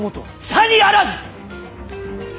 さにあらず！